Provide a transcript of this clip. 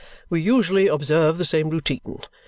We usually observe the same routine.